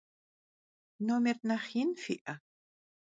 Nomêr nexh yin fi'e?